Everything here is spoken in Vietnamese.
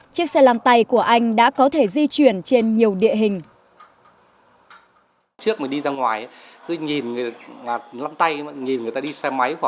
chiếc xe làm tay của anh đã có thể di chuyển trên nhiều địa hình